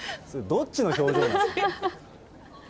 どっちの表情？